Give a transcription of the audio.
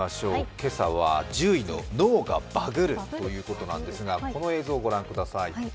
今朝は１０位の脳がバグるということなんですが、この映像、ご覧ください。